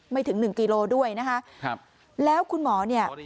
ถึงหนึ่งกิโลด้วยนะคะครับแล้วคุณหมอเนี่ย